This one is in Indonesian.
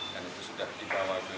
dan itu sudah dibawa ke kabupaten sumeneb